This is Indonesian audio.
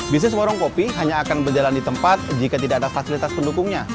bisnis warung kopi hanya akan berjalan di tempat jika tidak ada fasilitas pendukungnya